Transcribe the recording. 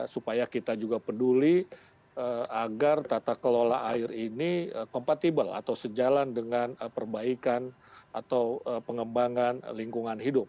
supaya kita juga peduli agar tata kelola air ini kompatibel atau sejalan dengan perbaikan atau pengembangan lingkungan hidup